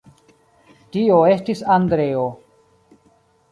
Tio estis Andreo.